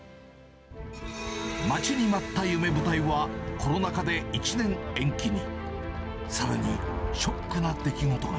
待ちに待った夢舞台は、コロナ禍で１年延期に。